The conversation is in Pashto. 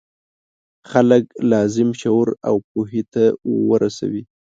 خلک لازم شعور او پوهې ته ورسوي.